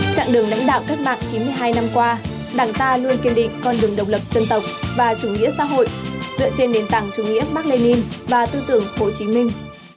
trạng đường lãnh đạo cách mạng chín mươi hai năm qua đảng ta luôn kiên định con đường độc lập dân tộc và chủ nghĩa xã hội dựa trên nền tảng chủ nghĩa mark lenin và tư tưởng hồ chí minh